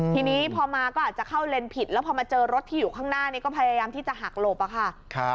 ทีนี้พอมาก็อาจจะเข้าเลนผิดแล้วพอมาเจอรถที่อยู่ข้างหน้านี้ก็พยายามที่จะหักหลบอะค่ะ